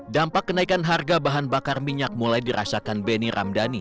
dampak kenaikan harga bahan bakar minyak mulai dirasakan benny ramdhani